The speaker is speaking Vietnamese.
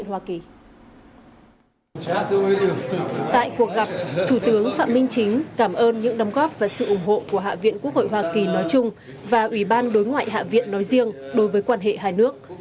tại cuộc gặp thủ tướng phạm minh chính cảm ơn những đồng góp và sự ủng hộ của hạ viện quốc hội hoa kỳ nói chung và ủy ban đối ngoại hạ viện nói riêng đối với quan hệ hai nước